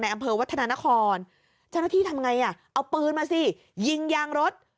อำเภอวัฒนานครเจ้าหน้าที่ทำไงอ่ะเอาปืนมาสิยิงยางรถ